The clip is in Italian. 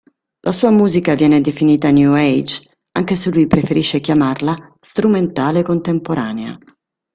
La sua musica viene definita "new Age", anche se lui preferisce chiamarla "strumentale contemporanea".